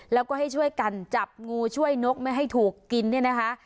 แล้วก็ให้ช่วยกันจับงูช่วยนกไม่ให้ถูกกินเนี่ยนะคะ